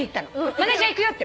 マネジャー行くよって。